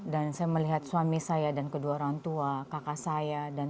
dan saya melihat suami saya dan kedua orang tua kakak saya dan teman teman yang tadinya saya teman